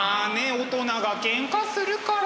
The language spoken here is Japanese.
大人がけんかするから。